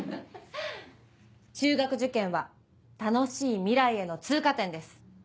中学受験は楽しい未来への通過点です。